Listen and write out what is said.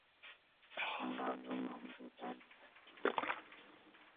唐高宗龙朔三年。